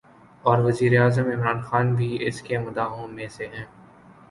اور وزیراعظم عمران خان بھی اس کے مداحوں میں سے ہیں